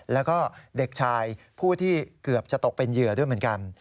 แล้วก็เด็กชายผู้ที่เกือบจะตกเป็นเหยื่อด้วยเหมือนกัน